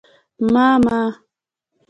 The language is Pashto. _ما، ما